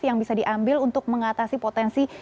yang bisa diambil untuk mengatasi potensi